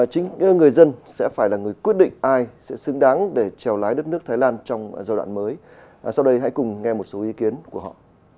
chính người dân sẽ phải là người quyết định ai sẽ xứng đáng để treo lái đất nước thái lan trong giai đoạn mới sau đây hãy cùng nghe một số ý kiến của họ